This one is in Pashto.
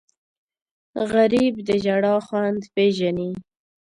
غریب د ژړا خوند پېژني